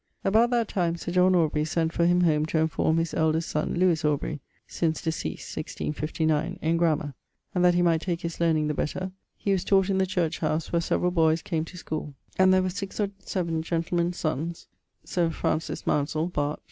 About that time Sir John Aubrey sent for him home to enforme his eldest sonne Lewis Aubrey (since deceased, 1659) in grammar; and that he might take his learning the better, he was taught in the church house where severall boyes came to schoole, and there were 6 or 7 gentlemen's sonnes (Sir Francis Maunsell, bart.